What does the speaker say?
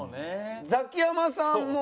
ザキヤマさんも。